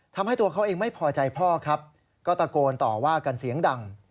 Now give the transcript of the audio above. ทำให้ตัวเขาเองไม่พอใจพ่อครับก็ตะโกนต่อว่ากันเสียงดัง